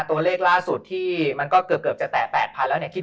ตัวเลขล่าสุดที่มันก็เกือบจะแตะ๘๐๐แล้วเนี่ย